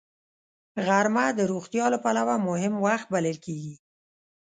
غرمه د روغتیا له پلوه مهم وخت بلل کېږي